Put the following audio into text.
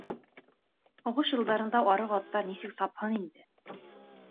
Һуғыш йылдарында арыҡ аттар нисек сапһын инде.